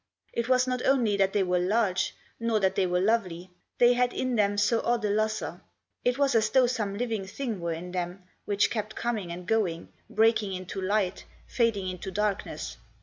It was not only that they were large, nor that they were lovely. They had in them so odd a lustre. It was as though some living thing were in them, which kept coming and going, breaking into light, fading into darkness.